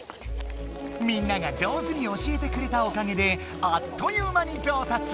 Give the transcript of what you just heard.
みんなが上手に教えてくれたおかげであっという間に上達！